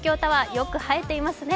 よく映えていますね。